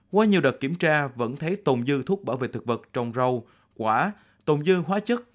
qua nhiều đợt kiểm tra vẫn thấy tồn dư thuốc bảo vệ thực vật trồng rau quả tồn dư hóa chất